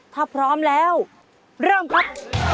ถ้าพร้อมแล้วเริ่มครับ